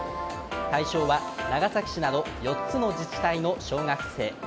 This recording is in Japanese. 対象は長崎市など４つの自治体の小学生。